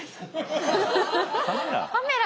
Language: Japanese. カメラ？